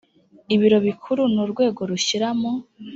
ibiro bikuru ni urwego rushyira mu